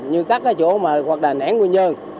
như các cái chỗ mà hoặc là nẻn nguyên nhân